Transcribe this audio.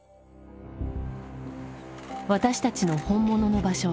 私たちの本物の場所